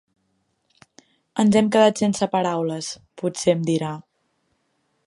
Ens hem quedat sense paraules, potser em dirà.